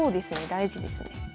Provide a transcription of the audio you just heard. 大事ですね。